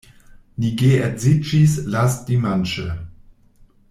Ni geedziĝis lastdimanĉe.